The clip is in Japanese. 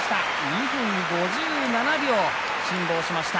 ２分５７秒、辛抱しました。